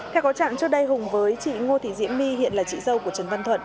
theo có trạng trước đây hùng với chị ngô thị diễm my hiện là chị dâu của trần văn thuận